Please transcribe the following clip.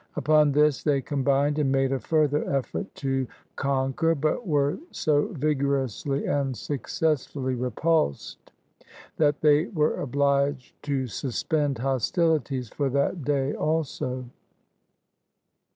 Upon this they combined and made a further effort to conquer, but were so vigorously and successfully repulsed, that they were obliged to suspend hostili ties for that day also.